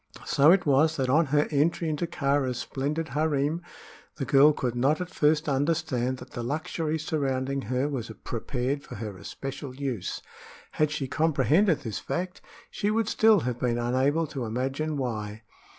So it was that on her entry into Kāra's splendid harem the girl could not at first understand that the luxury surrounding her was prepared for her especial use. Had she comprehended this fact, she would still have been unable to imagine why.